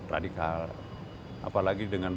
radikal apalagi dengan